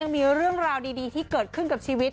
มีเรื่องราวดีที่เกิดขึ้นกับชีวิต